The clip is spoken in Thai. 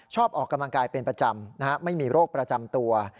ออกกำลังกายเป็นประจำไม่มีโรคประจำตัว